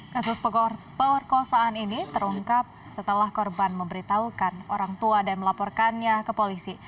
kasus perkosaan ini terungkap setelah korban memberitahukan orang tua dan melaporkannya ke polisi